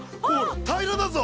平らだぞ。